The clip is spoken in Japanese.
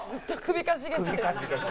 「首かしげて」